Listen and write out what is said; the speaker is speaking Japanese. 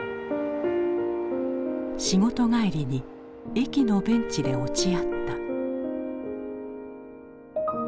仕事帰りに駅のベンチで落ち合った。